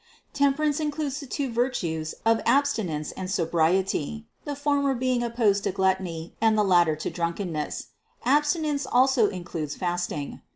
585. Temperance includes the two virtues of absti nence and sobriety ; the former being opposed to gluttony and the latter to drunkenness. Abstinence also includes fasting.